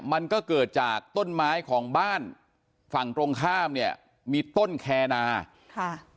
มันก็เกิดจากต้นไม้ของบ้านฝั่งตรงข้ามเนี่ยมีต้นแคนาค่ะ